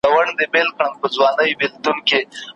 ګل به ایښی پر ګرېوان وی ته به یې او زه به نه یم